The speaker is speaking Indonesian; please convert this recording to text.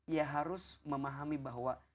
ya harus memahami bahwa